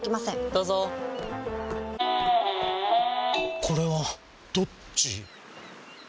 どうぞこれはどっち？